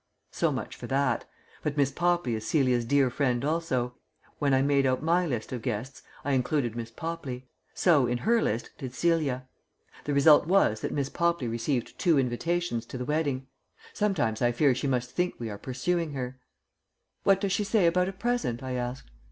So much for that. But Miss Popley is Celia's dear friend also. When I made out my list of guests I included Miss Popley; so, in her list, did Celia. The result was that Miss Popley received two invitations to the wedding.... Sometimes I fear she must think we are pursuing her. "What does she say about a present?" I asked.